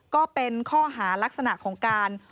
ก็เป็นข้อหารักษณะของการ